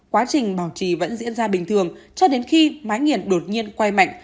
quá trình bảo trì vẫn diễn ra bình thường cho đến khi máy nghiền đột nhiên quay mạnh